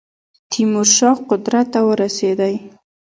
تیمور شاه قدرت ته ورسېدی.